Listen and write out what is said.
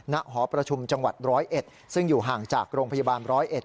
หอประชุมจังหวัด๑๐๑ซึ่งอยู่ห่างจากโรงพยาบาลร้อยเอ็ด